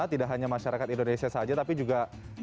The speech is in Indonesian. tidak hanya masyarakat indonesia saja tapi juga